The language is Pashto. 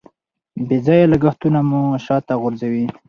بې ځایه لګښتونه مو شاته غورځوي.